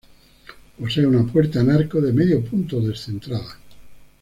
Posee una puerta en arco de medio punto descentrada.